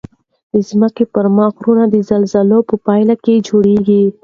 د ځمکې پر مخ غرونه د زلزلې په پایله کې جوړیږي.